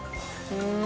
うん。